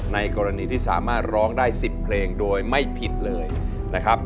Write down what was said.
ในกรณีที่สามารถร้องได้๑๐เพลงโดยไม่ผิดเลยนะครับ